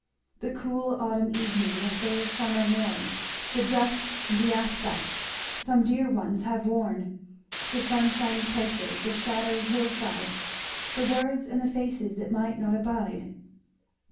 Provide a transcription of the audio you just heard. "The cool autumn evening, The fair summer morn, The dress and the aspect Some dear ones have worn, The sunshiny places The shady hill side The words and the faces That might not abide.